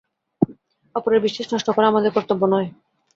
অপরের বিশ্বাস নষ্ট করা আমাদের কর্তব্য নয়।